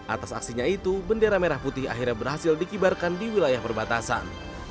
atas aksinya itu bendera merah putih akhirnya berhasil dikibarkan di wilayah perbatasan